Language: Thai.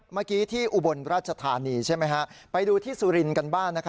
เมื่อกี้ที่อุบลราชธานีใช่ไหมฮะไปดูที่สุรินทร์กันบ้าง